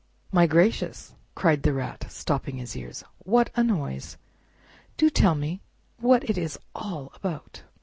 "My gracious!" cried the Rat, stopping his ears, "what a noise! do tell me what it is all about."